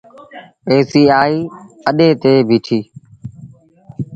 ايسيٚ آئي اَڏي تي بيٚٺيٚ۔